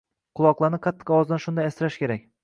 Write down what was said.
Quloqlarni qattiq ovozdan shunday asrash kerak